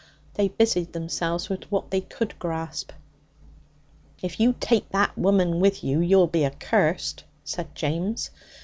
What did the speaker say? They busied themselves with what they could grasp. 'If you take that woman with you, you'll be accurst,' said James.